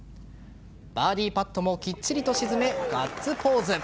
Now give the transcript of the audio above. バーディーパットもきっちりと沈め、ガッツポーズ。